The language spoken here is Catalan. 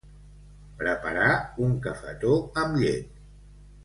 Preparar un cafetó amb llet.